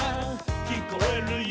「きこえるよ」